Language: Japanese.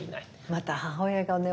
また母親がね